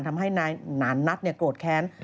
ทำให้นายหนานนัทโกรธแค้น